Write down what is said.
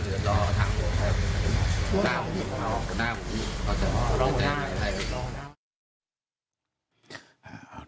รอหัวไทย